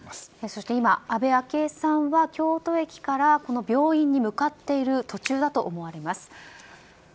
そして今、安倍昭恵さんは京都駅からこの病院に向かっている途中だと思われます。